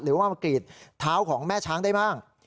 หรือว่ามากรีดเท้าของแม่ช้างได้บ้าง